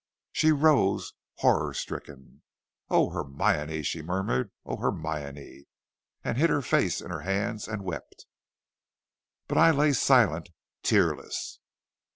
"She rose horror stricken. "'O Hermione!' she murmured; 'O Hermione!' and hid her face in her hands and wept. "But I lay silent, tearless.